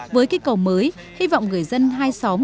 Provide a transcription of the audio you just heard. với cây cầu mới hy vọng người dân hai xóm